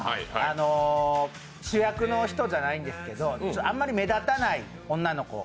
主役の人じゃないんですけど、あまり目立たない女の子。